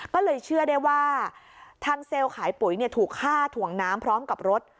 ก็เลยเชื่อได้ว่าทางเซลล์ขายปุ๋ยถูกฆ่าถ่วงน้ำพร้อมกับรถ